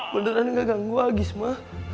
beneran gak ganggu ah gisma